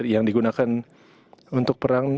yang digunakan untuk perang